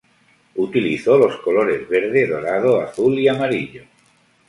Utilizó los colores verde, dorado, azul y amarillo.